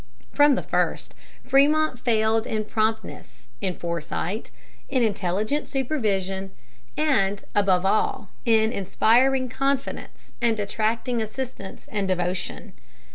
From the first, Frémont failed in promptness, in foresight, in intelligent supervision and, above all, in inspiring confidence and attracting assistance and devotion.